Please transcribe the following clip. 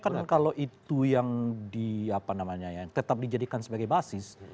karena sebetulnya kan kalau itu yang di apa namanya ya tetap dijadikan sebagai basis